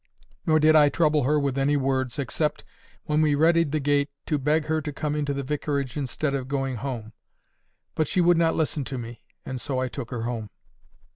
Nor did I trouble her with any words, except, when we readied the gate, to beg her to come into the vicarage instead of going home. But she would not listen to me, and so I took her home.